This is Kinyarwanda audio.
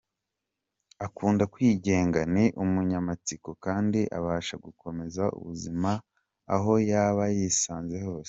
Akunda kwigenga , ni umunyamatsiko kandi abasha gukomeza ubuzima aho yaba yisanze hose.